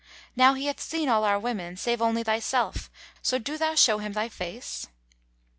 Now he hath seen all our women, save only thyself; so do thou show him thy face?"